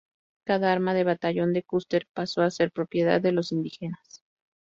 Cada arma del batallón de Custer pasó a ser propiedad de los indígenas.